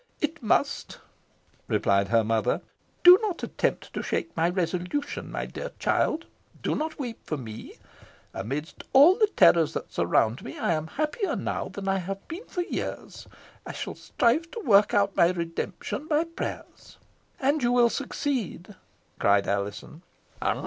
"It must," replied her mother. "Do not attempt to shake my resolution, my sweet child do not weep for me. Amidst all the terrors that surround me, I am happier now than I have been for years. I shall strive to work out my redemption by prayers." "And you will succeed!" cried Alizon.